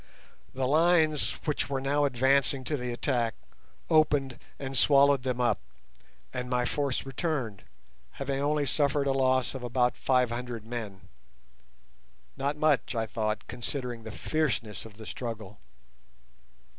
The lines which were now advancing to the attack, opened and swallowed them up, and my force returned, having only suffered a loss of about five hundred men—not much, I thought, considering the fierceness of the struggle.